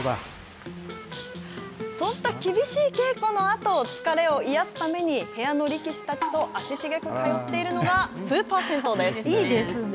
そうした厳しい稽古のあと疲れを癒やすために部屋の力士たちと足しげく通ってるのがスーパー銭湯です。